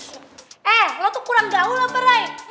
eh lo tuh kurang jauh lho perai masa